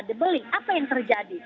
dibeli apa yang terjadi